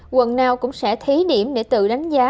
quận nào cũng sẽ thí điểm để tự đánh giá